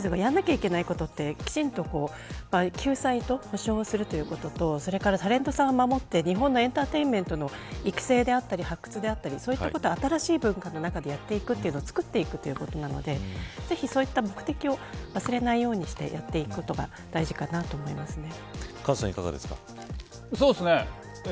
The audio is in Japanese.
今、ジャニーズがやらなければいけないことはきちんと救済と補償をするということとタレントさんを守って日本のエンターテインメントの育成だったり、発掘だったり新しい文化の中でやっていくということをつくっていくということなので目的を忘れないようにしてやっていくことがカズさん、いかがですか。